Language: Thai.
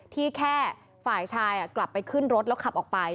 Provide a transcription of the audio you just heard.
แค่ฝ่ายชายกลับไปขึ้นรถแล้วขับออกไป